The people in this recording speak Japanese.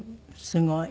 すごい。